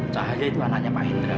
cahaya itu anaknya pak indra